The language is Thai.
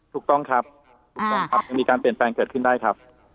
ถูกต้องครับมีการเปลี่ยนแปลงเกิดขึ้นได้ครับ